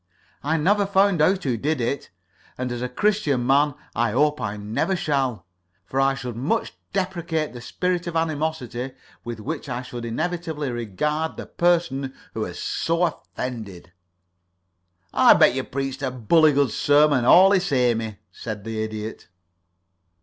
I never found out who did it, and, as a Christian man, I hope I never shall, for I should much deprecate the spirit of animosity with which I should inevitably regard the person who had so offended." "I'll bet you preached a bully good sermon, allee samee," said the Idiot.